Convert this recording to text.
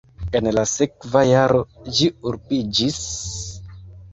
En la sekva jaro ĝi urbiĝis.